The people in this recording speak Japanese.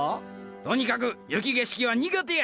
とにかく雪景色は苦手や！